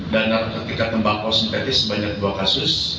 dan narkotika tembakau sintetis sebanyak dua kasus